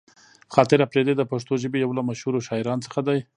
خاطر اپريدی د پښتو ژبې يو له مشهورو شاعرانو څخه دې.